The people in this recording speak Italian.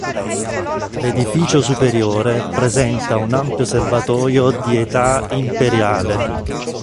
L'edificio superiore presenta un ampio serbatoio di età imperiale.